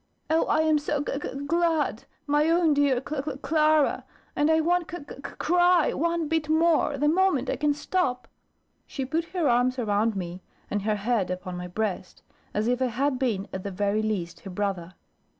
"Oh, I am so gug gug glad, my own dear Cla Cla Clara; and I won't cuc cuc cry one bit more, the moment I can stop." She put her arms around me, and her head upon my breast, as if I had been, at the very least, her brother.